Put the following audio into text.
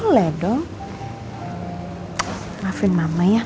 lima tahun vault